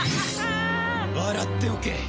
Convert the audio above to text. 笑っておけ。